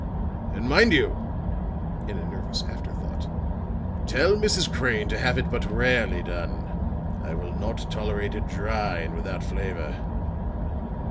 And mind you," in an nervous afterthought, "tell Mrs. Crane to have it but rarely done. I will not tolerate it dry and without flavor."